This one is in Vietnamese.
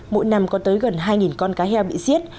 mỗi năm có tới gần hai con cá heo bị giết